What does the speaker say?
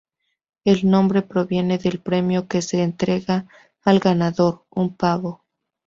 El nombre proviene del premio que se entrega al ganador, un pavo.